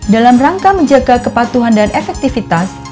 dalam rangka menjaga kepatuhan dan efektivitas